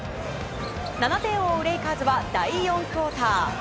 ７点を追うレイカーズは第４クオーター。